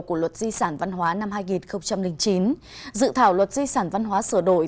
của luật di sản văn hóa năm hai nghìn chín dự thảo luật di sản văn hóa sửa đổi